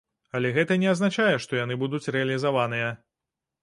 Але гэта не азначае, што яны будуць рэалізаваныя.